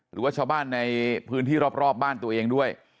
หรือว่าชาวบ้านในพื้นที่รอบบ้านตัวเองด้วย